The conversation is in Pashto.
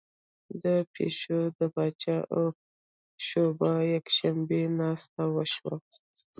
د پیسو د پاچا او شواب یکشنبې ناسته وشوه